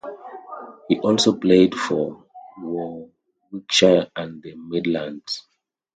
He also played for Warwickshire and the Midlands.